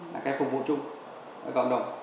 là cái phục vụ chung với cộng đồng